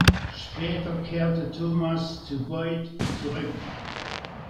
Später kehrte Thomas zu Boyd zurück.